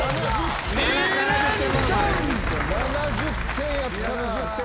７０点やったな。